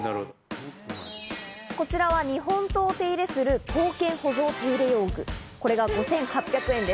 こちらは、日本刀を手入れする時に使う刀剣保存手入用具、５８００円です。